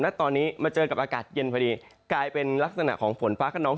ณตอนนี้มาเจอกับอากาศเย็นพอดีกลายเป็นลักษณะของฝนฟ้าขนอง